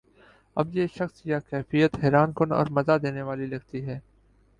اسے یہ شخص یا کیفیت حیران کن اور مزا دینے والی لگتی ہے